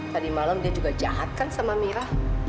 tadi malam dia juga jahat kan sama mira